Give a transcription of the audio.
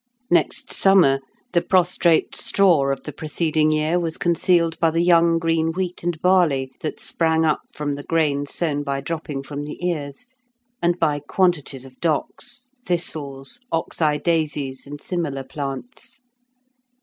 Next summer the prostrate straw of the preceding year was concealed by the young green wheat and barley that sprang up from the grain sown by dropping from the ears, and by quantities of docks, thistles, oxeye daisies, and similar plants.